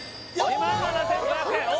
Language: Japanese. ２万７５００円